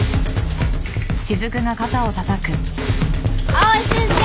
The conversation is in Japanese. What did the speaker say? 藍井先生！